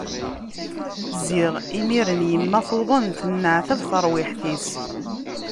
Ziɣ imiren yemma tuḍen, tenneɛtab terwiḥt-is.